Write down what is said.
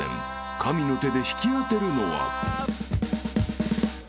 ［神の手で引き当てるのは？］